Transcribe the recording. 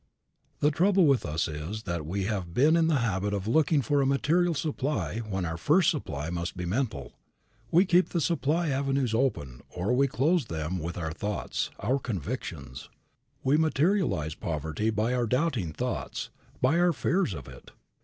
The trouble with us is that we have been in the habit of looking for a material supply when our first supply must be mental. We keep the supply avenues open or we close them with our thoughts, our convictions. We materialize poverty by our doubting thoughts, by our fears of it.